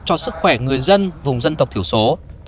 cho sức khỏe người dân vùng dân tộc thiểu số